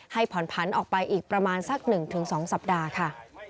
ผ่อนผันออกไปอีกประมาณสัก๑๒สัปดาห์ค่ะ